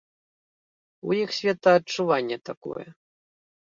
У іх светаадчуванне такое.